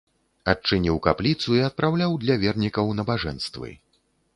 Адчыніў капліцу і адпраўляў для вернікаў набажэнствы.